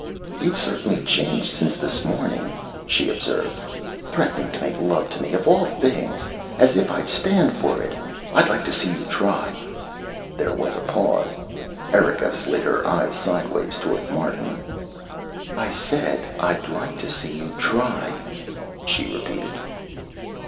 "You've certainly changed since this morning," she observed. "Threatening to make love to me, of all things. As if I'd stand for it. I'd like to see you try." There was a pause. Erika slid her eyes sidewise toward Martin. "I said I'd like to see you try," she repeated.